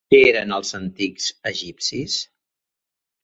Què eren els antics egipcis?